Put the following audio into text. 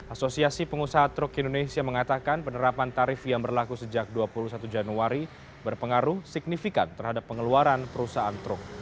asosiasi pengusaha truk indonesia mengatakan penerapan tarif yang berlaku sejak dua puluh satu januari berpengaruh signifikan terhadap pengeluaran perusahaan truk